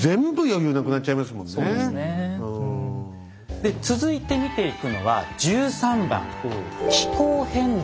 で続いて見ていくのは１３番「気候変動」です。